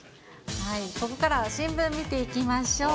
ここからは、新聞見ていきましょう。